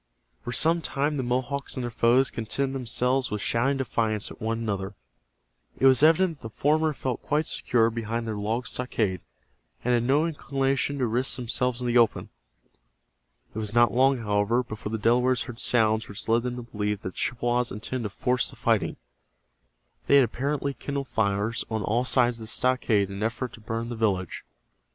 For some time the Mohawks and their foes contented themselves with shouting defiance at one another. It was evident that the former felt quite secure behind their log stockade, and had no inclination to risk themselves in the open. It was not long, however, before the Delawares heard sounds which led them to believe that the Chippewas intended to force the fighting. They had apparently kindled fires on all side of the stockade in an effort to burn the village.